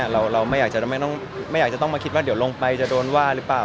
เราไม่อยากจะต้องมาคิดว่าเดี๋ยวลงไปจะโดนว่าหรือเปล่า